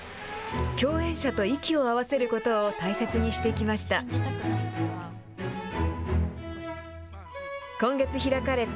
共演者と息を合わせることを大切にしてきました。